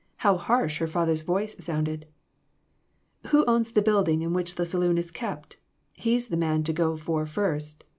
How harsh her father's voice sounded ! "Who owns the building in which the saloon is kept ? He's the man to go for first."